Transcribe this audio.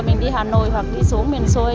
mình đi hà nội hoặc đi xuống miền xôi